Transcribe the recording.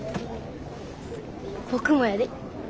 僕もやで。